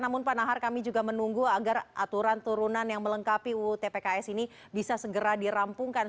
namun pak nahar kami juga menunggu agar aturan turunan yang melengkapi uu tpks ini bisa segera dirampungkan